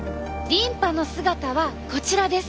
リンパの姿はこちらです！